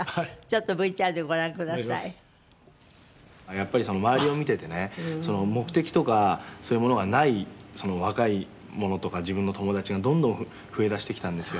「やっぱり周りを見ててね目的とかそういうものがない若い者とか自分の友達がどんどん増えだしてきたんですよ」